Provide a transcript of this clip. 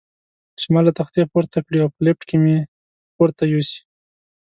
چې ما له تختې پورته کړي او په لفټ کې مې پورته یوسي.